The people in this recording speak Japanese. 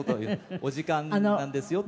お時間なんですよって。